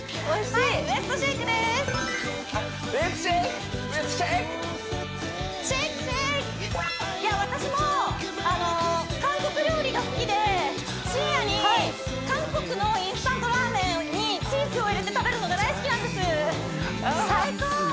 いや私も韓国料理が好きで深夜に韓国のインスタントラーメンにチーズを入れて食べるのが大好きなんです最高！